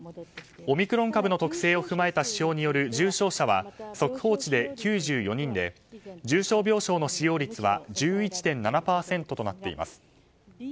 オミクロン株の特性を踏まえた指標による重症者は速報値で９４人で重症病床の使用率は１１．７％となっています。